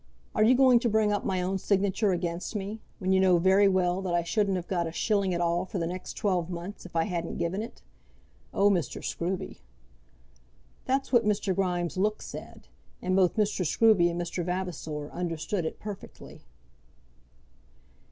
"Are you going to bring up my own signature against me, when you know very well that I shouldn't have got a shilling at all for the next twelve months if I hadn't given it? Oh Mr. Scruby!" That's what Mr. Grimes' look said, and both Mr. Scruby and Mr. Vavasor understood it perfectly.